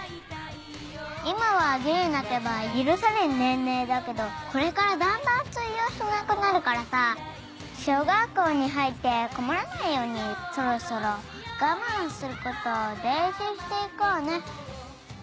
今はギリ泣けば許される年齢だけどこれからだんだん通用しなくなるからさ小学校に入って困らないようにそろそろ我慢することを練習していこうね。